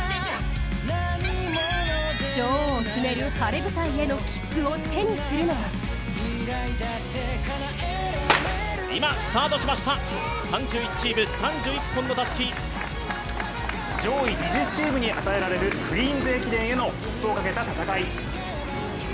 女王を決める晴れ舞台への切符を手にするのは伊藤か上位２０チームに与えられるクイーンズ駅伝への切符をかけた戦い。